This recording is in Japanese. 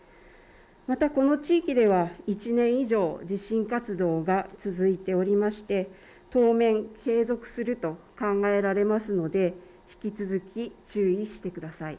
またこの地域では１年以上地震活動が続いておりまして当面、継続すると考えられますので引き続き注意してください。